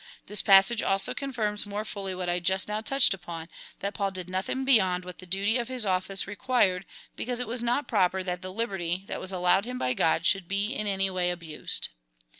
This passage also confirms more fully what I just now touched upon, that Paul did nothing beyond what the duty of his office required, because it was not proper that the liberty, that was allowed him by God, should be in any way abused.